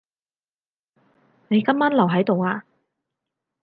你今晚留喺度呀？